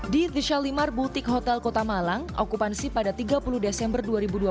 di desalimar butik hotel kota malang okupansi pada tiga puluh desember dua ribu dua puluh